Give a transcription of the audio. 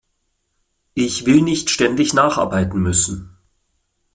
Ich will nicht ständig nacharbeiten müssen.